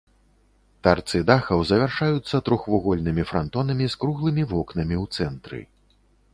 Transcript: Тарцы дахаў завяршаюцца трохвугольнымі франтонамі з круглымі вокнамі ў цэнтры.